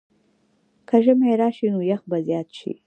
که ژمی راشي، نو یخ به زیات شي.